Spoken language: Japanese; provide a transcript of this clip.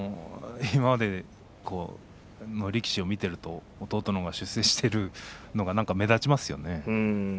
今までの力士を見ていると弟のほうが出世しているのが目立ちますよね。